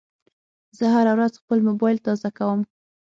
زه هره ورځ خپل موبایل تازه کوم.